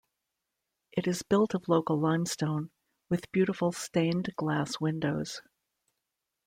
It is built of local limestone, with beautiful stained glass windows.